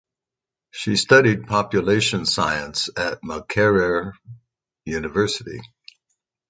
She studied population science at Makerere University.